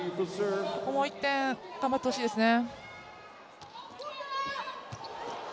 ここもう１点頑張ってほしいですね。